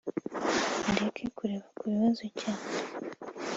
areke kureba ku bibazo cyane